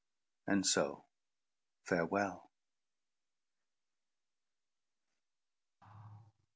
And so, Farewell.